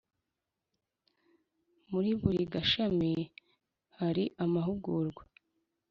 muri buri gashami hari amahugurwa